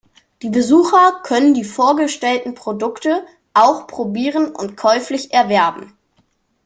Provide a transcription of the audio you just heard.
Die Besucher können die vorgestellten Produkte auch probieren und käuflich erwerben.